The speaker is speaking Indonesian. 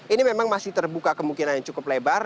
ini memang masih terbuka kemungkinan yang cukup lebar